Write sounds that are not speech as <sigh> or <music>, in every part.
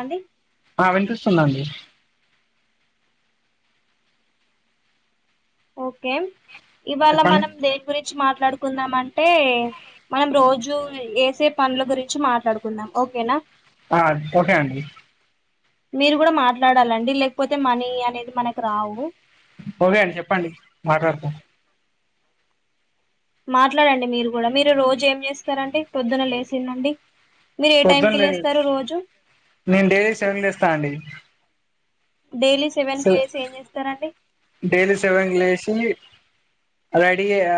అండి ఆ వినిపిస్తుందండి ఒకే ఇవాళ చెప్పండి మనం దేని గురించి మాట్ ట్లాడుకుందామంటే మనం రోజు ఏసే పన్ల గురించి మాట్లాడుకుందాం, ఓకేనా. ఆ ఓకే అండీ మీరు కూడా మాట్లాడాలండి లేకపోతే, మనీ అనేది మనకు రావు. ఒకే అండ్ చెప్పండి మాట్లాడుతా మాట్లాడండి మీరు కూడ మీరు రోజు ఏం జేస్తరండి పొద్దున లేసిన్నుండి ప్రొద్దున్నే నేన్ డే సెవెన్కి లేస్తాన్ అండి డైలీ సెవెన్ స కి లేసి ఏం చేస్తారండి డెైలీ సెవన్కి లేచి రెడీ అ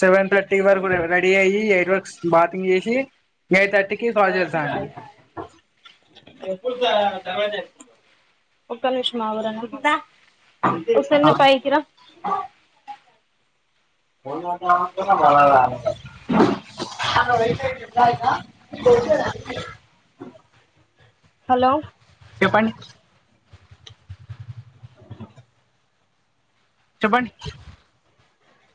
సెవెన్ థర్టీ వరకు రెడీ అయ్యి, ఎయిట్ వర్క్ బాతింగ్ చేసి, ఎయిట్ థర్టీకి కాల్ చేస్తా అండీ. ఒక్క నిమిషం ఆగు రానా ఒకసారి ఆ నువ్వు పైకి రా <unintelligible> హలో చెప్పండి చెప్పండి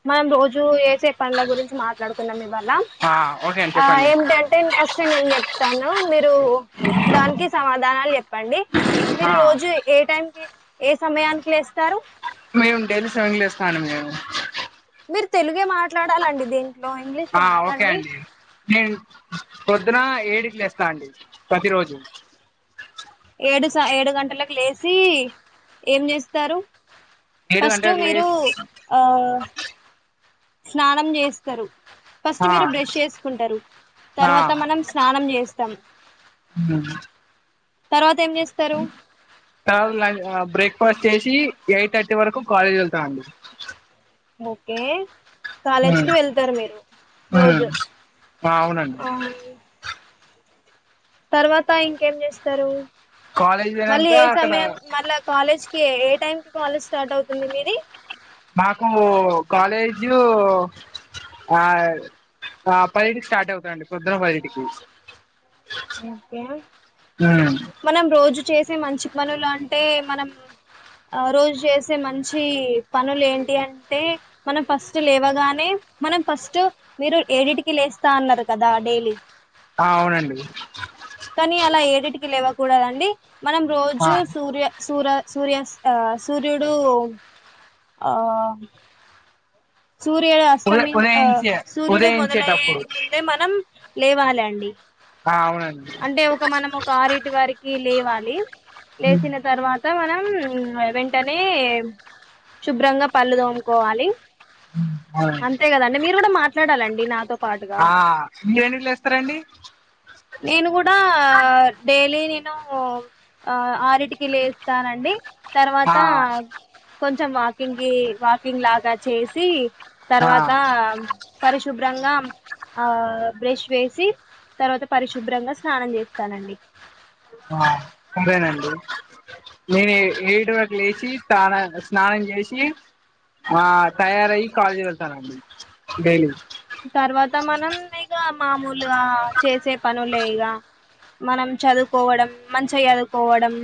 మనం రోజు చే పనుల గురించి మాట్లాడుకుందాం ఇవాళ. ఆ ఓకే అండి ఆ చెప్పండి ఏంటంటే ఫస్ట్ నేను చెప్తాను. మీరు దానికి సమాధానాలు చెప్పండి. ఆ మీరు రోజు ఏ టైంకి ఏ సమయానికి లేస్తారు మేము డైలీ సెవెన్ కి లేస్తానండి మీరు తెలుగే మాట్లాడాలండి దీని హలో ఇంగ్లీష్ ఆ ఓకే వాడకండి అండి నేను పొద్దున ఏడికి లేస్తా అండి ప్రతిరోజు ఏడు స ఏడు గంటలకు లేచి ఏం చేస్తారు ఏడు ఫస్ట్ గంటలకు మీరు లేస్ ఆ స్నానం చేస్తారు ఫస్ట్ ఆ మీరు బ్రష్ చేసుకుంటారు. ఆ తర్వాత మనం స్నానం చేస్తాం తర్వాత ఏం చేస్తారు తరువాత నేను బ్రేక్ఫాస్ట్ చేసి ఎయిట్ థర్టీ వరకు కాలేజ్ వెళ్తామండి ఓకే ఉమ్ కాలేజీకి వెళ్తారు మీరు రోజు ఉమ్ అవునండి తర్వాత ఇంకేం చేస్తారు కాలేజ్ మళ్ళీ పోయినాక ఏ అక్కడ సమయం మళ్ళా కాలేజ్ ఏ టైమ్ కి కాలేజ్ స్టార్ట్ అవుతుంది మీది మాకు కాలేజు ఆ పైదింటికి స్టార్ట్ అవుతాందిండి. పొద్దున పదింటికి ఓకే మనం రోజు చేసే మంచి పనులు అంటే, మనం ఆ రోజు చేసే మంచి పనులు ఏంటి అంటే, మనం ఫస్ట్ లేవగానే మనం ఫస్ట్ మీరు ఏడిటికి లేస్తా అన్నారు కదా డైలీ ఆ అవునండి <inaudible> అన్నిటికి లేవకూడదండి మనం ఆ రోజు సూర్య సూర్య సూర్య సూర్యుడు ఆ సూర్యుడు ఉద అస్తమి ఆ ఉదయించే సూర్యుడు మొదలయ్యేక ఉదయించేటప్పుడు ముందే మనం లేవాలి అండి ఆ అవునాడ్ అంటే ఒక మనం ఒక ఆరిటి వరకి కి లేవాలి ఉమ్ లేచిన తర్వాత మనం వెంటనే శుభ్రంగా పళ్ళు దోముకోవాలి అవునండి అంతే కదండి మీరు కూడా మాట్లాడాలండి నాతో పాటుగా ఆ మీరెండిట్ల వేస్తారాండి నేను కూడా డైలీ నేను ఆ ఆరిటికి లేస్తానండి ఆ తర్వాత కొంచ కొంచెం వాకింగ్ కి వాకింగ్ లాగా చేసి ఆ తర్వాత పరిష్ శుభ్రంగా ఆ బ్రష్ వేసి తర్వాత పరిశుభ్రంగా స్నానం చేస్తానండి ఆ సరేనండి నేను ఏ ఏడిటి వరకు లేచి స్న స్నానం చేసి ఆ తయారయ్యి కాలేచి డైలీ తర్వాత మనం ఇగ మామూలుగా చేసే పనులే ఇగ మనం చదువుకోవడం మంచిగా చదువుకోవడం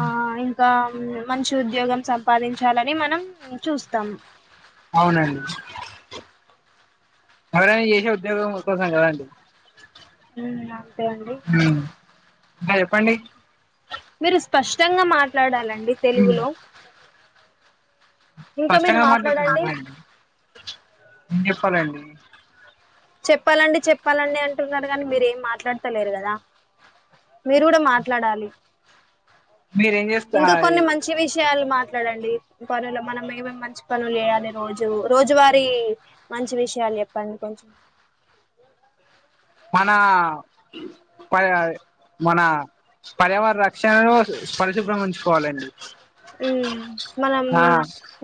ఆ ఇంకా మంచి ఉద్యోగం సంపాదించాలని మనం చూస్తాం అవునండి మనం చేశెది ఉద్యోగం కోసం కదండీ ఉ ఉ పండి మీరు స్పష్టంగా మాట్లాడాలండి అండి తెలుగులో ఇంకా మీరు కష్టంగా మాట్లాడుత మాట్లాడండి పది అండి చెప్పాలండి చెప్పాలండి అంటున్నారు కానీ మీరేం మాట్లాడతలేరు కదా మీరు కూడా మాట్లాడాలి మీరేం చేస్తా ఇంకా కొన్ని మంచి విషయాలు మాట్లాడండి పనులు మనం ఏమేం మంచి పనులు వయాలి రోజు రోజువారీ మంచి విషయాలు చెప్పండి కొంచెం మన ప మన పర్యావరణ రక్షణను పరిశుభ్రంగా ఉంచుకోవాలండి ఉ మనం ఆ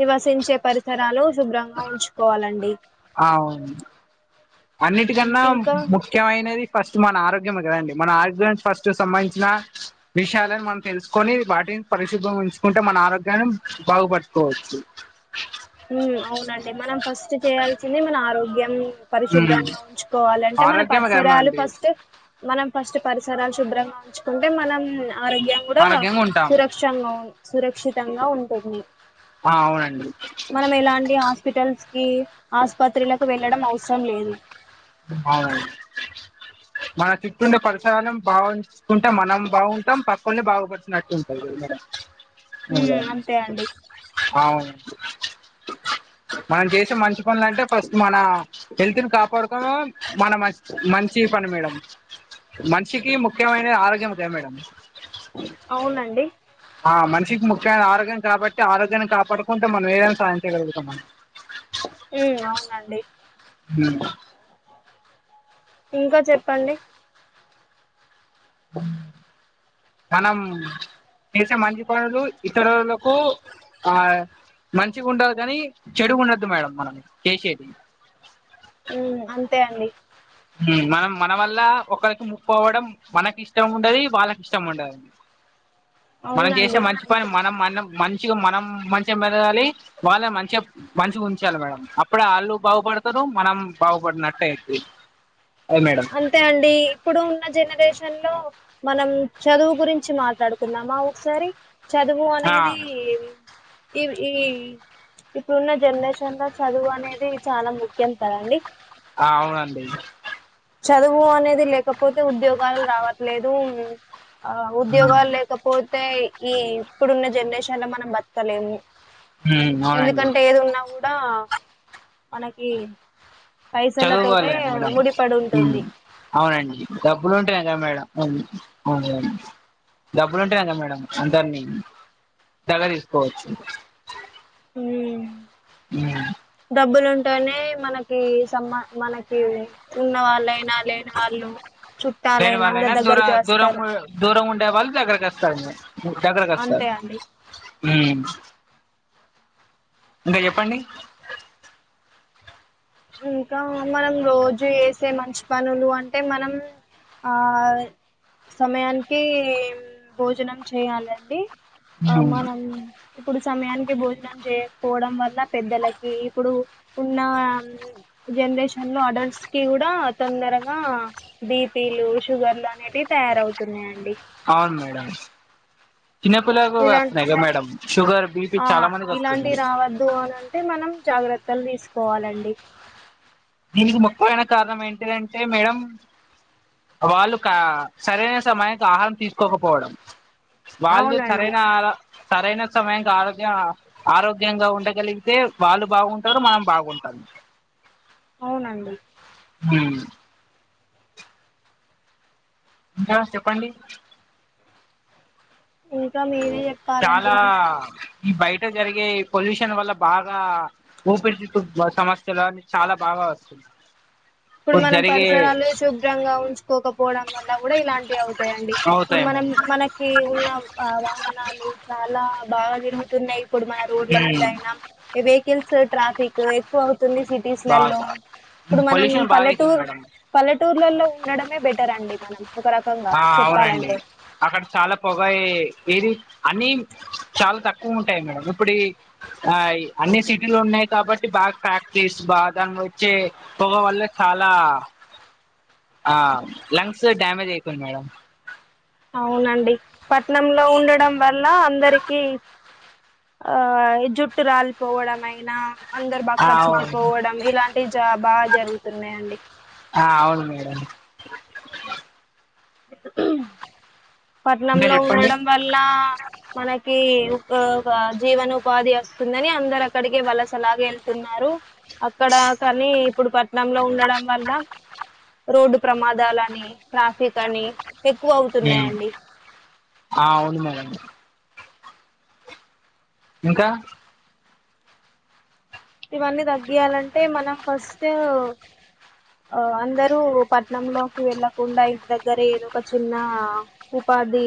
నివసించే పరిసరాలు శుభ్రంగా ఉంచుకోవాలండి అవును ఉమ్, అన్నిటికన్నా ఇంకా ముఖ్యమైనది ఫస్ స్ట్ మన ఆరోగ్యం కదండి. మన ఆరోగ్యానికి ఫస్ట్ సంబంధించిన విషయాలని, మనం తెలుసుకొని వాటిని పరిశుభ్రం ఉంచుకుంటే మన ఆరోగ్యాన్ని బాగుపడ్చుకోవచ్చు. హు అవునండి మనం ఫస్ట్ చేయాల్సింది మన ఆరోగ్యం. ఉమ్ పరిశుభ్రంగా ఉంచుకోవాలంటే మన ఆరోగ్యమే పరిసరాలు కదండి ఫస్ట్ మనం ఫస్ట్ పరిసరాలు శుభ్రంగా ఉంచుకుంటే మనం ఆరోగ్యం కూడా ఆరోగ్యంగా ఉంటాం సురక్షంగా ఉన్ సురక్షితంగా ఉంటుంది ఆ అవునండి మనం ఎలాంటి హాస్పిటల్స్ కి ఆస్పత్రిలకు వెళ్ళడం అవసరం లేదు అవును మన చుట్టు ఉండే పరిసారనం బావుంచ్ కుంటే మనం బావుంటాం పక్కోల్ని బాగుపడిచినట్టు ఉంటాంది కదా మన ఉమ్ అంతే అండి అవును మనం చేసే మంచి పనులు అంటే ఫస్ట్ మన హెల్త్ ని కాపాడుకోడం మన మ మంచి పని మేడం మనిషికి ముఖ్యమైనది ఆరోగ్యం కద మేడం అవునండి ఆ మనిషికి ముఖ్యమైనది ఆరోగ్యం కాబట్టి ఆరోగ్యాన్ని కాపాడుకుంటే మనం ఏదైనా సాధించగలుగుతాం మనం ఊ అవునండి హూ ఇంకా చెప్పండి కనం చేసే మంచి పనులు ఇతరులకు ఆ మంచిగుండదు కాని చెడుగుండద్దు మేడం మనం చేసేది ఊ అంతే అండి ఊ మనం మనవల్ల ఒకరికి ముప్పు అవ్వడం మనకి ఇష్టం ఉండది వాళ్ళకి ఇష్టం ఉండద మనం చేసే అవునండి మంచి పని అంతే మనం మనం మనం మంచిగా మెదగాలి వాళ్ళే మంచిగా మంచిగా ఉంచాలి మేడం అప్పుడే ఆళ్ళు బాగుపడతారు మనం బాగుపడినట్టే అయి అంతే అండి ఇప్పుడు ఉన్న జనరేషన్ హెల్లో మనం చదువు గురించి మాట్లాడుకుందామా ఒకసారి చదువు ఆ అనేది ఈవ్ ఈ ఇప్పుడున్న జనరేషన్ లో చదువు అనేది చాలా ముఖ్యం కదండి ఆ అవునండి చదువు అనేది లేకపోతే ఉద్యోగాలు రావట్లేదు ఆ ఉద్యోగాలు లేకపోతే ఈ ఇప్పుడున్న జనరేషన్ లో మనం బతకలేము ఉమ్ అవునండి ఎందుకంటే ఏది ఉన్నా కూడ్ దా మనకి పైసల తోటే చదువుకోలే మేడం. ముడిపడి హు ఉంటుంది అవునండి డబ్బులు ఉంటే యా మేడం. ఆమ్ అవును మేడం. డబ్బులు ఉంటే కదా మేడం అందరిని దగ్గర తీసుకోవచ్చు. హు డబ్బులు ఉంటేనే మనకి సంబ మనకి ఉన్న వాళ్ళైనా లేని వాళ్ళు లేేని చుట్టాలైన అందరి వాళ్ళైనా దూర దగ్గరికి వస్తారు దూరంగ దూరం ఉండే వాళ్ళు దగ్గరకి అస్తారు దగ్గరకి అస్తారు. అంతే అండి హు ఇంగ చెప్పండి. ఇంకా మనం రోజు చేసే మంచి పనులు అంటే మనం ఆ సమయానికి భోజనం చేయాలండి. ఆ ఉమ్ మనం ఇప్పుడు సమయానికి భోజనం చేయకపోవడం వల్ల పెద్దలకి ఇపుడు ఉన్నా జనరేషన్ లో ఆడళస్కి కూడా తొందరగా బీపిలు, షుగర్లు అనేటివి తయారవుతున్నాయండి. అవును మేడం. చిన్నపిల్లలకు కూడా ఇలా వస్తున్నయి కదా మేడం. షుగర్, బీపి ఆ చాలా మందికి ఇలాంటివి వస్తున్నయి. త్తల్ తీసుకోవాలండి. దీనికి ముఖ్యమైన కారణం ఏంటిదంటే మేడం వాళ్ళు కా సరైన సమయానికి ఆహారం తీసుకోకపోవడం. వాళ్ళు అవునండి సరైన ఆహారం సరైన సమయంకి ఆరోగ్య ఆరోగ్యంగా ఉండగలిగితే వాళ్ళు బాగుంటరు మనం బాగుంటాం. అవునండి. హు ఇంకా చెప్పండి. ఇంకా మిరే చెప్పాలండి. చాలా ఈ బయట జరిగే పొల్యూషన్ వల్లా బాగా ఊపిరితిత్తుల సమస్యలు అన్ని చాలా బాగా వస్తున్నయి ఇప్పుడు మనం పరిసరాలు శుభ్రంగా ఉంచుకోకపోవడం వల్లా కూడా ఇలాంటివి అవుతాయండి. ఇప్పుడు అవుతాయి మనం మేడం మనకి ఉన్న ఆ వాహనాలు చాలా బాగా తిరుగుతున్నయ్. ఇప్పుడు మన రోడ్ల మీద మీదైనా ఇవి కిల్స్ ట్రాఫిక్ ఎక్కువ అవు తుంది కొన్ని సిటీస్లల్లో బాగా ఇప్పుడు మనం పొల్యూషన్ బాగా అవుతుంది పల్లెటూరు మేడం పల్లెటూర్లలో ఉండడమే బెటర్ అండి. మనం ఒక రకంగా ఆ అవునండి చెప్పాలంటే అక్కడ చాలా పొగయ్ ఏది అన్ని చాలా తక్కువుటయ్ మేడం. ఇప్పుడు ఈ అన్ని సిటీలు ఉన్నాయి కాబట్టి బాగా ఫ్యాక్టరీస్ బా దాన్లో వచ్చే పొగ వల్ల చాలా హా లంగ్స్ హు డ్యామేజ్ అయి తయి మేడం అవునండి పట్నంలో ఉండడం వల్ల అందరికి ఆ జుట్టు రాలిపోవడం అయినా అందరు ఆ బక్క చిక్కి అవును పోవడం ఇలాంటివి చ బాజరుగుతున్నాయండి. ఆ అవును మేడం ఇంకా పట్నంలో చెప్పండి ఉండడం వల్ల మనకి ఆ జీవనోపాధి వస్తుందని అందరు అక్కడికే వాళ్ళసలాగ వెళ్తున్నారు అక్కడ కానీ ఇప్పుడు పట్నంలో ఉండడం వల్ల రోడ్డు ప్రమాదాల అని ట్రాఫిక్ అని ఎక్కువ ఉమ్. అవుతున్నాయండి ఆ అవును మేడం ఇంకా ఇవన్నీ తగ్గియాలంటే మనం ఫస్ట్ అందరూ పట్నంలోకి వెళ్ళకుండా ఇంటి దగ్గర ఏదో ఒక చిన్న ఉపాధి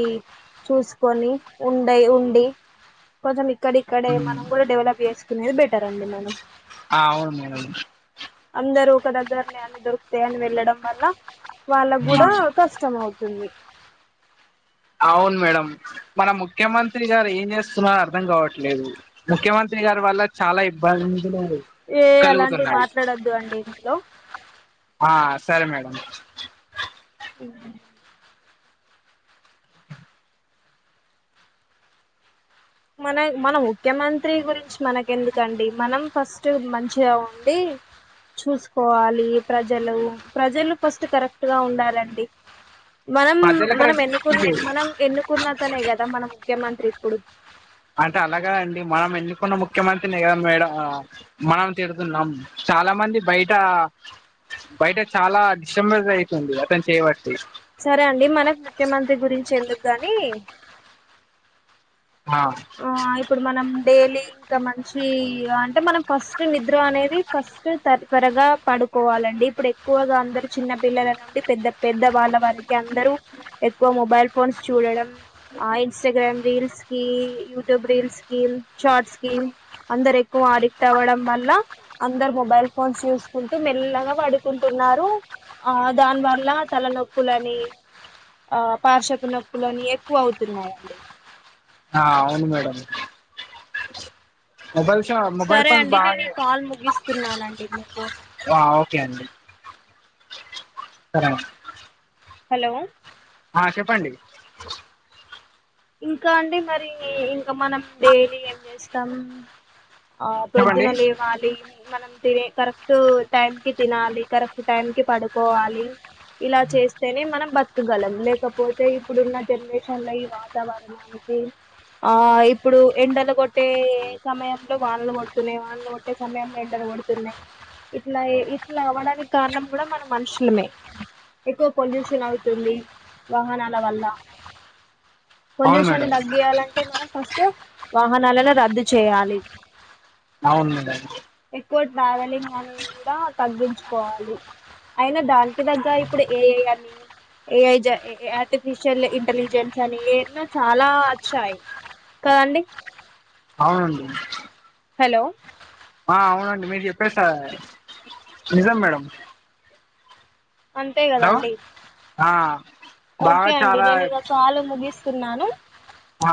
చూసుకొని ఉండే ఉండి కొంచెం ఇక్కడ ఇక్కడే ఉమ్. మనం కూడా డెవలప్ చేసుకునేది బెటర్ అండి మనం ఆ అవును అవును అందరూ ఒక దగ్గర అన్ని దొరుకుతాయ అని వెళ్ళడం వల్ల వాళ్ళ కూడా ఉమ్. కష్టం అవుతుంది అవును మేడం మన ముఖ్యమంత్రి గారు ఏం చేస్తున్నరో అర్థం కావట్లేదు ముఖ్యమంత్రి గారి వల్ల చాలా ఇబ్బందులు ఏ అలాంటివి కలుగుతున్నాయి మాట్లాడొద్దు అండి ఇందులో ఆ సరే మేడం మ్మ్ మన మన ముఖ్యమంత్రి గురించి మనక ఎందుకండి మనం ఫస్ట్ మంచిగా ఉండి చూసుకోవాలి ప్రజలు ప్రజలు ఫస్ట్ కరెక్ట్గా ఉండాలండి మనం ప్రజలకు రె మనం ఎన్నుకున్న మనం ఎన్నుకున్నతనే కదా మనం ముఖ్యమంత్రి ఇప్పుడు అంటే అలాగదండి మనం ఎన్నుకున్న ముఖ్యమంత్రిని కా మేడం మనం తిడుతున్నాం చాలా మంది బయట బయట చాలా డిస్టబజ అవుతుంది అతను చేయబట్టి సరే అండి మనకు ముఖ్యమంత్రి గురించి ఎందుకు గానీ ఆ డైలీ ఇంకా మంచి అంటే మనం ఫస్ట్ నిద్ర అనేది ఫస్ట్ తర త్వరగా పడుకోవాలండి ఇప్పుడు ఎక్కువగా అందరు చిన్న పిల్లల నుండి పెద్ద పెద్ద వాళ్ళ వారికి అందరూ ఎక్కువ మొబైల్ ఫోన్స్ చూడడం ఆ ఇన్స్టాగ్రామ్ రీల్స్ కి యూట్యూబ్ రీల్స్ కి షార్ట్స్ కి అందరు ఎక్కువ అడిక్ట్ అవ్వడం వల్ల అందరు మొబైల్ ఫోన్స్ చూసుకుంటూ మెల్లగా పడుకుంటున్నారు ఆ దాని వల్ల తలనొప్పులని ఆ పార్షపు నొప్పులని ఎక్కువ అవుతున్నాయిండి ఆ అవును మేడం మొబైల్ షా మొబైల్ సరే ఫోన్స్ అండి నేను బాగా ఈ కాల్ ముగిస్తున్నానండి మీకు ఒకే అండి సరే హలో ఆ చెప్పండి ఇంకా అంటే మరి ఇంకా మనం డైలీ ఏం చేస్తాం ఆ చెప్పండి ప్రొద్దున లేవాలి మనం తినే కరెక్ట్ టైం కి తినాలి కరెక్ట్ టైం కి పడుకోవాలి ఇలా చేస్తేనే మనం బతకగలం లేకపోతే ఇప్పుడున్న జనరేషన్ లో వాత్ వాతవరణానికి ఆ ఇప్పుడు ఎండలు కొట్టే సమయంలో వానలు కొడుతున్నాయి వానలు కొట్టే సమయంలో ఎండలు కొడుతున్నాయి ఇట్లా ఇట్లా అవడానికి కారణం కూడా మన మనుషులమే ఎక్కువ పొల్యూషన్ అవుతుంది వాహనాల వల్ల అవును పొల్యూషన్ మేడం తగ్గియాలంటే మనం ఫస్ట్ వాహనాలను రద్దు చేయాలి అవును మేడం ఎక్కువ ట్రావెలింగ్ అని కూడా తగ్గించుకోవాలి అయినా దానికి దగ్గ ఇప్పుడు ఏ ఐ అని ఏ ఆర్టిఫిషియల్ ఇంటెలిజెన్స్ అని పేరున చాలా వచ్చాయి కదండి అవునండి హలో ఆ అవునండి మీరు చెప్పేస నిజం మేడం అంతే హలో కదండి ఆ బాగా ఒకే అండి చాలా నేన్ ఇగ కాలు ముగిస్ స్తున్నాను అ